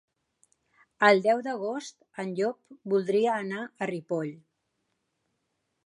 El deu d'agost en Llop voldria anar a Ripoll.